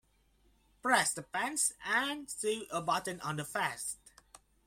Press the pants and sew a button on the vest.